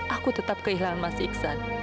aku tetap kehilangan mas iksan